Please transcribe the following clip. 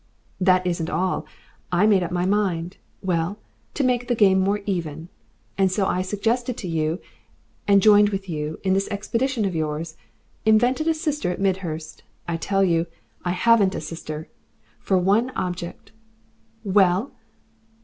"That isn't all. I made up my mind Well, to make the game more even. And so I suggested to you and joined with you in this expedition of yours, invented a sister at Midhurst I tell you, I HAVEN'T a sister! For one object " "Well?"